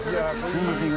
すいません。